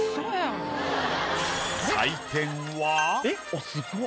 採点は。